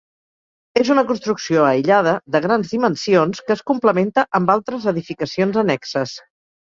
És una construcció aïllada, de grans dimensions que es complementa amb altres edificacions annexes.